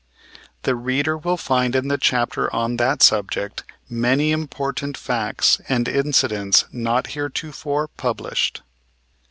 The reader will find in the chapter on that subject many important facts and incidents not heretofore published.